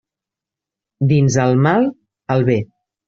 Dins el mal, el bé.